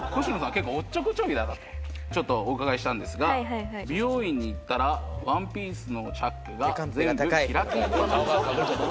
結構おっちょこちょいだなとちょっとお伺いしたんですが美容院に行ったらワンピースのチャックが全部開きっ放しだったことがあったと聞いてます。